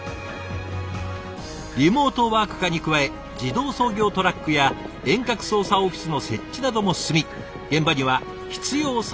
リモートワーク化に加え自動操業トラックや遠隔操作オフィスの設置なども進み現場には必要最低限の人員だけという体制だそうです。